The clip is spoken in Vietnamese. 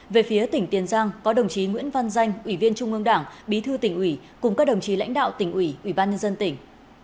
về phía tỉnh tiền giang có đồng chí nguyễn văn danh ủy viên trung ương đảng bí thư tỉnh ủy cùng các đồng chí lãnh đạo tỉnh ủy ủy ban nhân dân tỉnh